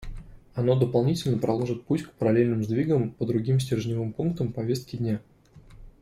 Оно дополнительно проложит путь к параллельным сдвигам по другим стержневым пунктам повестки дня.